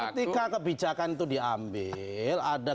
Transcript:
ketika kebijakan itu diambil